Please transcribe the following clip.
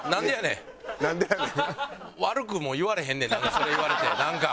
悪くも言われへんねんそれ言われてなんか。